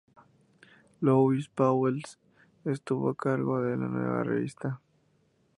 Louis Pauwels estuvo a cargo de la nueva revista.